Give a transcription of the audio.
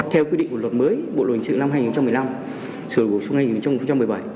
theo quy định của luật mới bộ luật hình sự năm hai nghìn một mươi năm trừ luật của xu hướng năm hai nghìn một mươi bảy